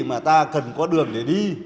mà ta cần có đường để đi